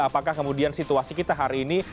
apakah kemudian situasi kita hari ini